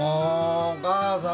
お母さん